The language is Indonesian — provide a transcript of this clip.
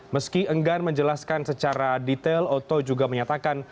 meski enggan menjelaskan secara detail oto juga menyatakan